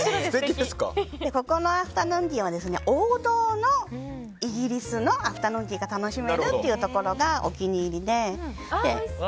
ここのアフタヌーンティーは王道のイギリスのアフタヌーンティーが楽しめるというところがお気に入りで。